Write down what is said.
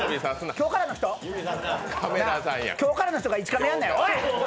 今日からの人が１カメやんなよ。